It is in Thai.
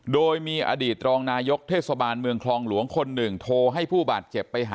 โดยมีอดีตรองนายกเทศบาลเมืองคลองหลวงคนหนึ่งโทรให้ผู้บาดเจ็บไปหา